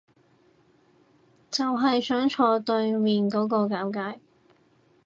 就係想坐對面嗰個尷尬